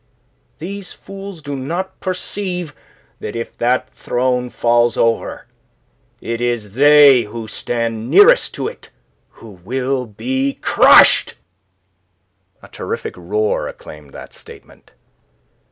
These fools do not perceive that if that throne falls over, it is they who stand nearest to it who will be crushed." A terrific roar acclaimed that statement.